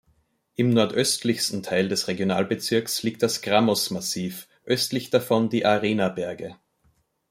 Im nordöstlichsten Teil des Regionalbezirks liegt das Grammos-Massiv, östlich davon die Arena-Berge.